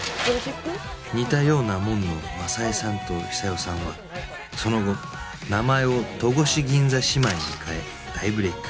似たようなもんの雅江さんと久代さんはその後名前を戸越銀座姉妹に変え大ブレーク